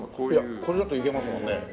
いやこれだといけますもんね。